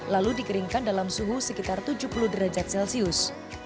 lalu dikeringkan dalam suhu sekitar tujuh puluh derajat celcius